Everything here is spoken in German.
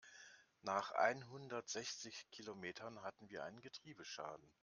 Nach einhundertsechzig Kilometern hatten wir einen Getriebeschaden.